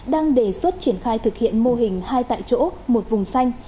đang đề xuất triển khai thực hiện mô hình hai tại chỗ một vùng xanh